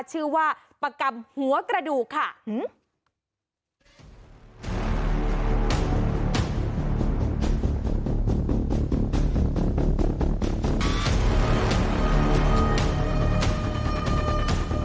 ชื่อว่าประกัมหัวกระดูกค่ะหื้ม